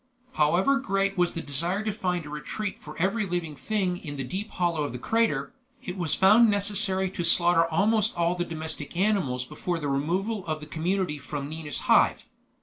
However great was the desire to find a retreat for every living thing in the deep hollow of the crater, it was found necessary to slaughter almost all the domestic animals before the removal of the community from Nina's Hive.